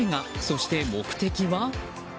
そして目的は？